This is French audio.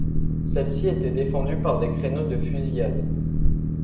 Celle-ci était défendue par des créneaux de fusillade.